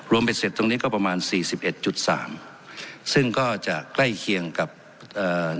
เบ็ดเสร็จตรงนี้ก็ประมาณสี่สิบเอ็ดจุดสามซึ่งก็จะใกล้เคียงกับเอ่อ